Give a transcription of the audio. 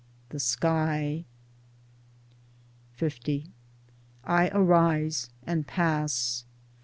The Sky ! L I arise and pass.